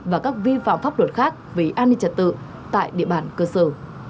và các vi phạm pháp luật khác về an ninh trật tự tại địa bàn cơ sở